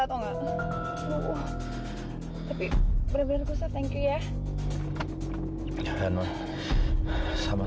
atau enggak tapi bener bener bisa thank you ya jangan sama sama nen kamu nggak apa apa kan